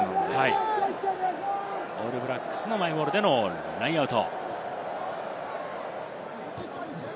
オールブラックス、マイボールでのラインアウト。